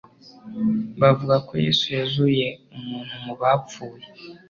Bavuga ko Yesu yazuye umuntu mu bapfuye